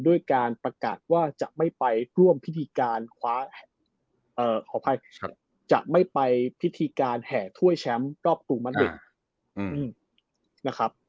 ด้วยการประกาศว่าจะไม่ไปร่วมพิธีการแห่ถ้วยแชมป์รอบตัวมันหนึ่ง